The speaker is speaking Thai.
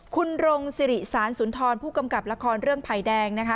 คุณรงสิริสารสุนทรผู้กำกับละครเรื่องไผ่แดงนะคะ